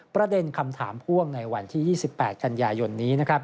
ประเด็นคำถามพ่วงในวันที่๒๘กันยายนนี้